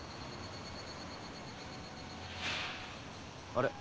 あれ？